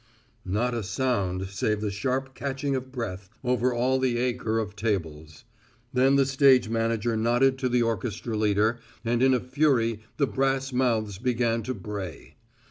Not a sound save the sharp catching of breath over all the acre of tables. Then the stage manager nodded to the orchestra leader, and in a fury the brass mouths began to bray.